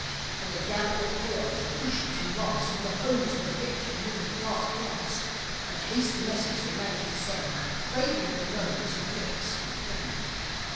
And they gathered the pillows and cushions and rugs From the homes of the rich and middle class Glugs. And a hasty message they managed to send Craving the loan of some bricks from a friend.